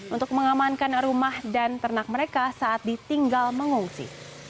untuk mengamankan rumah dan ternak mereka saat ditinggal mengungsi